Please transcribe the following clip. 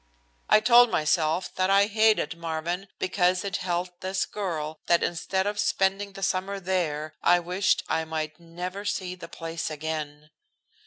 I told myself that I hated Marvin because it held this girl, that instead of spending the summer there I wished I might never see the place again.